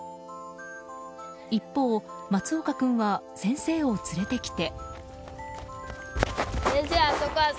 一方、松岡君は先生を連れてきて。